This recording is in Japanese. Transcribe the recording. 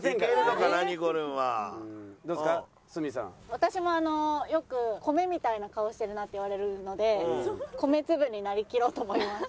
私もあのよく米みたいな顔してるなって言われるので米粒になりきろうと思います。